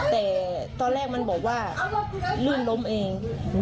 แต่ตอนแรกมันบอกว่าลื่นล้มเอง